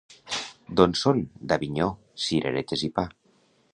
—D'on són? —D'Avinyó. —Cireretes i pa.